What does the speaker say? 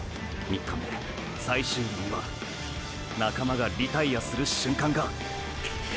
３日目最終日には仲間がリタイアする瞬間が！ッ！！